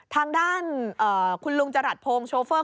ทางด้านคุณลุงจรัสพงศ์โชเฟอร์